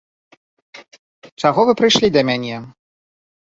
Чаго вы прыйшлі да мяне?